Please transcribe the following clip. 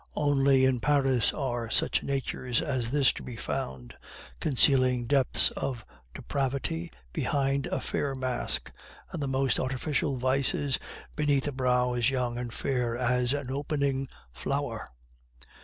Only in Paris are such natures as this to be found, concealing depths of depravity behind a fair mask, and the most artificial vices beneath a brow as young and fair as an opening flower.